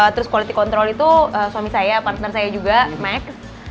terus quality control itu suami saya partner saya juga max